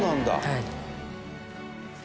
はい。